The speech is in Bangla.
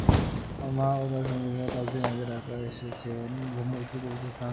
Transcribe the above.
আমার মা ও তাঁর সঙ্গিনীরা পাঁচদিন আগে ঢাকা এসেছেন, ব্রহ্মপুত্রে পবিত্র স্নানের যোগ।